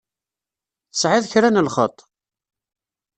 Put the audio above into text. Tesɛiḍ kra n lxeṭṭ?